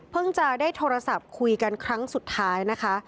จะได้โทรศัพท์คุยกันครั้งสุดท้ายนะคะ